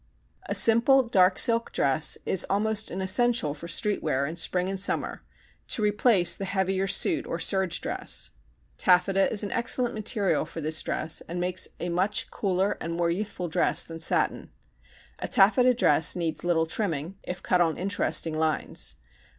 A simple dark silk dress is almost an essential for street wear in spring and summer, to replace the heavier suit or serge dress. Taffeta is an excellent material for this dress and makes a much cooler and more youthful dress than satin. A taffeta dress needs little trimming, if cut on interesting lines.